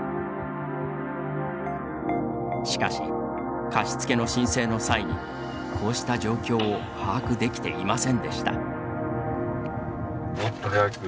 しかし貸付の申請の際にこうした状況を把握できていませんでした。